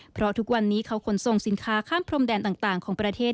เพราะทุกวันนี้เขาขนส่งสินค้าข้ามพรมแดนต่างของประเทศ